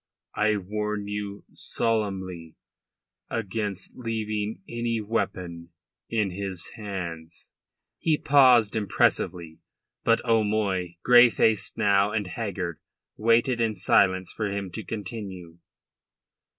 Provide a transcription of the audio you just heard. I warn you solemnly against leaving any weapon in his hands." He paused impressively. But O'Moy, grey faced now and haggard, waited in silence for him to continue.